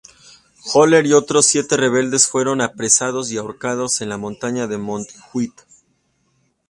Oller y otros siete rebeldes fueron apresados y ahorcados en la montaña de Montjuïc.